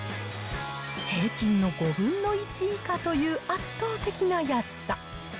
平均の５分の１以下という圧倒的な安さ。